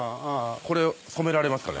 これ染められますかね？